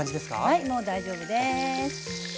はいもう大丈夫です。